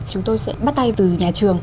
chúng tôi sẽ bắt tay từ nhà trường